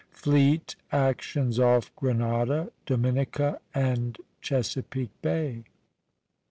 FLEET ACTIONS OFF GRENADA, DOMINICA, AND CHESAPEAKE BAY.